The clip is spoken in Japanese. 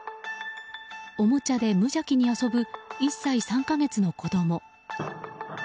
おもちゃで無邪気に遊ぶ１歳３か月の子供。